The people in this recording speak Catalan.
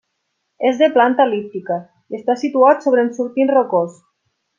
És de planta el·líptica i està situat sobre un sortint rocós.